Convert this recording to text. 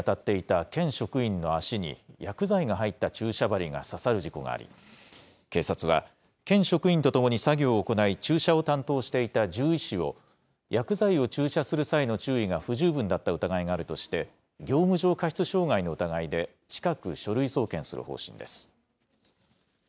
去年４月、栃木県那須塩原市の養豚場で、豚の殺処分に当たっていた県職員の足に薬剤が入った注射針が刺さる事故があり、警察は県職員と共に作業を行い注射を担当していた獣医師を、薬剤を注射する際の注意が不十分だった疑いがあるとして、業務上過失傷害の疑いで近く、書類送検する方針です。